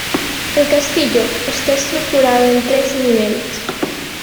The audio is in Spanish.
El castillo está estructurado en tres niveles.